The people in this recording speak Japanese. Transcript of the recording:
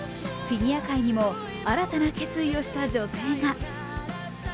フィギュア界にも新たな決意をした女性が。